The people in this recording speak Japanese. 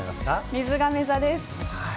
みずがめ座です。